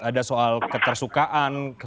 ada soal ketersukaan